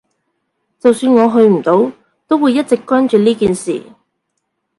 就算我去唔到，都會一直關注呢件事